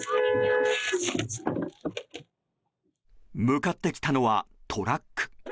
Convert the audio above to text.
向かってきたのはトラック。